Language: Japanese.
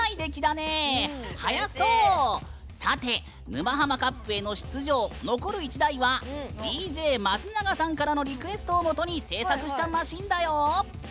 さて「沼ハマカップ」への出場残る１台はＤＪ松永さんからのリクエストをもとに製作したマシーンだよ！